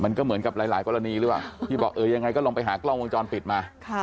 มันก็เหมือนกับหลายกรณีหรือเปล่าที่บอกเออยังไงก็ลองไปหากล้องวงจรปิดมา